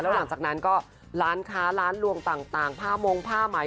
หลังจากนั้นก็ร้านค้าร้านลวงต่างผ้ามงผ้าไหม